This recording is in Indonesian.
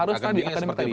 ya harus tadi akademik tadi